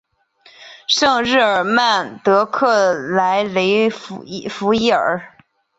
圣日尔曼德克莱雷弗伊尔。